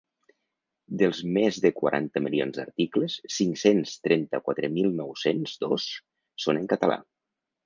Dels més de quaranta milions d’articles, cinc-cents trenta-quatre mil nou-cents dos són en català.